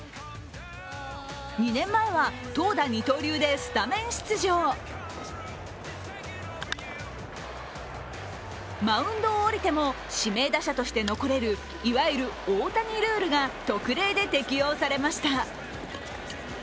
２年前は投打二刀流でスタメン出場マウンドを降りても指名打者として残れるいわゆる大谷ルールが特例で適用されました。